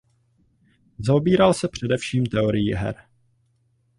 Zaobíral se především teorií her.